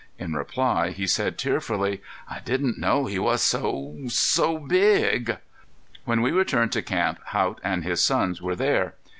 In reply he said tearfully: "I didn't know he was so so big." When we returned to camp, Haught and his sons were there.